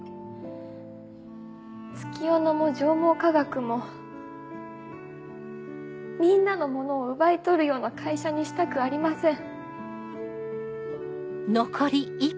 月夜野も上毛化学もみんなのものを奪い取るような会社にしたくありません。